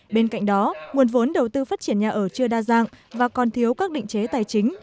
bên cạnh đó nguồn vốn đầu tư phát triển nhà ở chưa đa dạng và còn thiếu các định chế tài chính